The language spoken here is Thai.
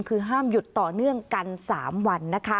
คือห้ามหยุดต่อเนื่องกัน๓วันนะคะ